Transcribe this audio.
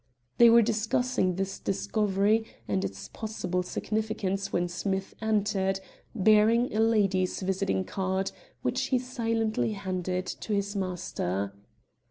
They were discussing this discovery and its possible significance when Smith entered, bearing a lady's visiting card, which he silently handed to his master.